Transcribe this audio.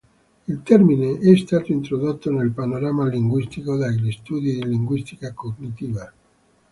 Il termine è stato introdotto nel panorama linguistico dagli studi di linguistica cognitiva.